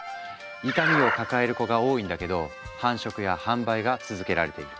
痛みを抱える子が多いんだけど繁殖や販売が続けられている。